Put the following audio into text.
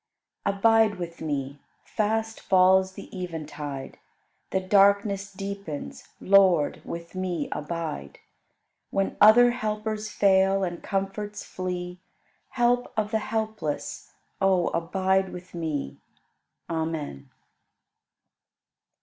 30. Abide with me! Fast falls the eventide, The darkness deepens; Lord, with me abide! When other helpers fail and comforts flee, Help of the helpless, O abide with me! Amen.